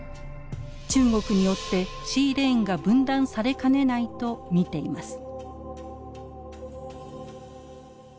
中国によってシーレーンが分断されかねないと見ています。